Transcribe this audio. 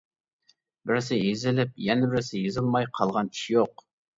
بىرسى يېزىلىپ، يەنە بىرسى يېزىلماي قالغان ئىش يوق.